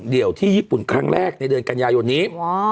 ที่ญี่ปุ่นครั้งแรกในเดือนกันยายนนี้